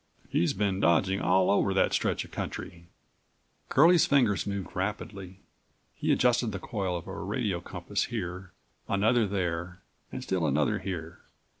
He's been dodging all over that stretch of country." Curlie's fingers moved rapidly. He adjusted the coil of a radio compass here, another there and still another here.